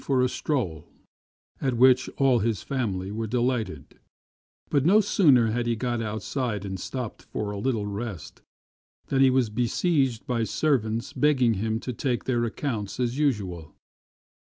24 STRANGE STORIES at which all his family were delighted; but no sooner had he got outside and stopped for a little rest than he was besieged by servants begging him to take their accounts as usual.